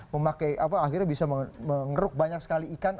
dengan cantrang gitu ya akhirnya bisa mengeruk banyak sekali ikan